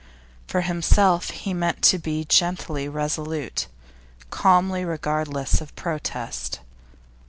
For himself he meant to be gently resolute, calmly regardless of protest.